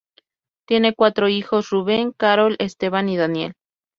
Tiene cuatro hijos, Ruben, Carol, Esteban y Daniel.